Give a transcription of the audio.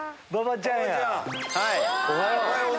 おはよう。